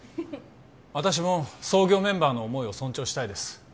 私も創業メンバーの思いを尊重したいです